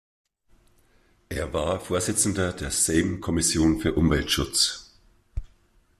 Er war Vorsitzender der Sejm-Kommission für Umweltschutz.